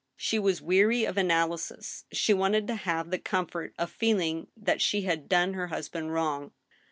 She was weary of analysis. She wanted to have the comfort of feeling that she had done her husband wrong.